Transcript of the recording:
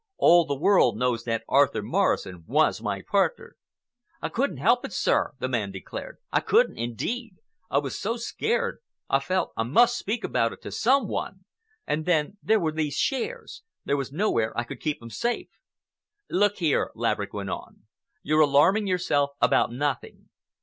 All the world knows that Arthur Morrison was my partner." "I couldn't help it, sir," the man declared. "I couldn't, indeed. I was so scared, I felt I must speak about it to some one. And then there were these shares. There was nowhere I could keep 'em safe." "Look here," Laverick went on, "you're alarming yourself about nothing.